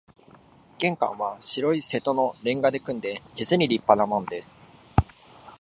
玄関は白い瀬戸の煉瓦で組んで、実に立派なもんです